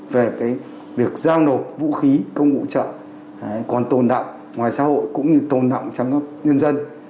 về việc giao nộp vũ khí công vũ trợ còn tồn đọng ngoài xã hội cũng như tồn đọng trong các nhân dân